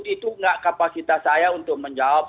itu nggak kapasitas saya untuk menjawab